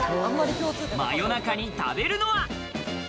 真夜中に食べるのは。